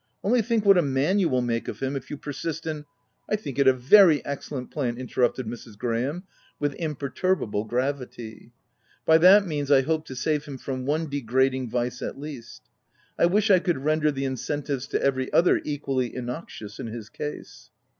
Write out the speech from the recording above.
Only think what a man you will make of him, if you persist in —" (i I think it a very excellent plan," inter rupted Mrs. Graham with imperturbable gravity. u By that means I hope to save him from one degrading vice at least. I wish I could render the incentives to every other equally innoxious in his case."